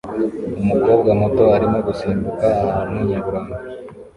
Umukobwa muto arimo gusimbuka ahantu nyaburanga